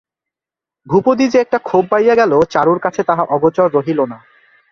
ভূপতি যে একটা ক্ষোভ পাইয়া গেল, চারুর কাছে তাহা অগোচর রহিল না।